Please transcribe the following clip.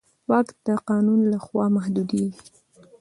واک د قانون له خوا محدودېږي.